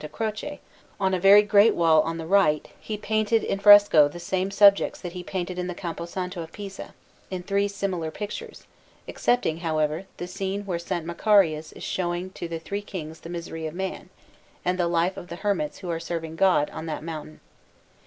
Croce, on a very great wall on the right, he painted in fresco the same subjects that he painted in the Campo Santo of Pisa, in three similar pictures, excepting, however, the scene where S. Macarius is showing to three Kings the misery of man, and the life of the hermits who are serving God on that mountain.